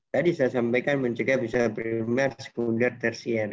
tadi saya sampaikan mencegah bisa primer sekunder tersier